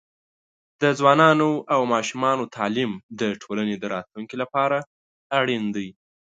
د ځوانانو او ماشومانو تعليم د ټولنې د راتلونکي لپاره اړین دی.